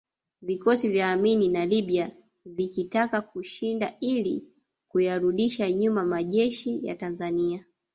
Vikosi vya Amin na Libya vilkitaka kushinda ili kuyarudisha nyuma majeshi ya Tanzania